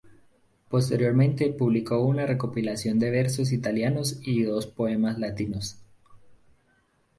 Posteriormente publicó una recopilación de versos italianos y dos poemas latinos.